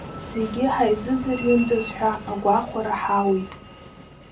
Зегьы ҳаизыӡырҩындаз ҳәа агәахәара ҳауит.